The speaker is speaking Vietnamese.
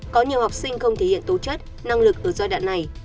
có nhiều học sinh không thể hiện tố chất năng lực ở giai đoạn này